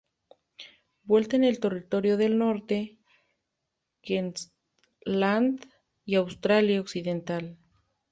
Vuela en el Territorio del norte, Queensland y Australia Occidental.